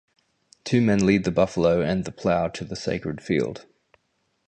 Two men lead the buffalo and the plough to the sacred field.